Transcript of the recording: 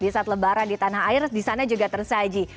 di saat lebaran di tanah air di sana juga tersaji